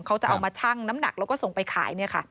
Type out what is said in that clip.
เขาจะเอามาชั่งน้ำหนักแล้วก็ส่งไปขาย